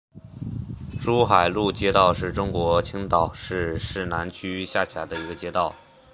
珠海路街道是中国青岛市市南区下辖的一个街道。